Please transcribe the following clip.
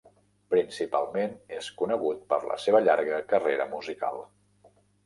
Principalment, és conegut per la seva llarga carrera musical.